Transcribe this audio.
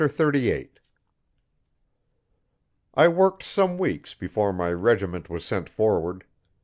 Chapter 38 I worked some weeks before my regiment was sent forward.